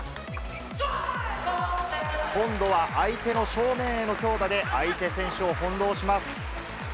今度は相手の正面への強打で、相手選手を翻弄します。